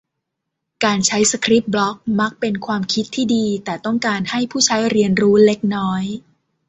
การใช้สคริปต์บล็อคมักเป็นความคิดที่ดี แต่ต้องการให้ผู้ใช้เรียนรู้เล็กน้อย